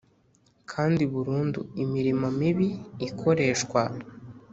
Kandi burundu imirimo mibi ikoreshwa